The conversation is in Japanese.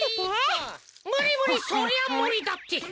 むりむりそりゃむりだって。